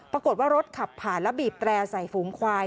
ปรากฏว่ารถขับผ่านแล้วบีบแตร่ใส่ฝูงควาย